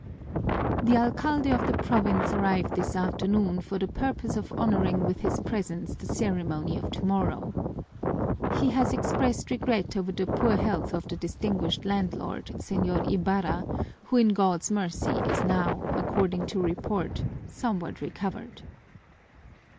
"The alcalde of the province arrived this afternoon for the purpose of honoring with his presence the ceremony of tomorrow. He has expressed regret over the poor health of the distinguished landlord, Señor Ibarra, who in God's mercy is now, according to report, somewhat recovered.